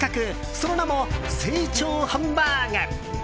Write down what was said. その名も、成長ハンバーグ。